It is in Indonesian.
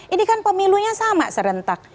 ini kan pemilunya sama serentak